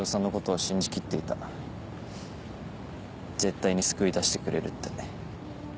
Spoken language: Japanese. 絶対に救い出してくれるって。